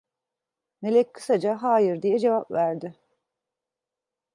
Melek kısaca: "Hayır!" diye cevap verdi.